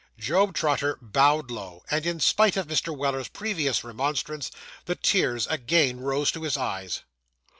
Job Trotter bowed low; and in spite of Mr. Weller's previous remonstrance, the tears again rose to his eyes.